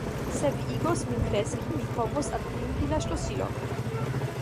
Se vi igos min kreski, mi povos atingi la ŝlosilon.